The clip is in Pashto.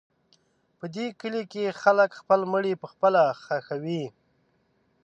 په دې کلي کې خلک خپل مړي پخپله ښخوي.